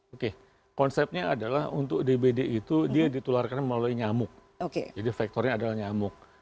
oke konsepnya adalah untuk dbd itu dia ditularkan melalui nyamuk jadi faktornya adalah nyamuk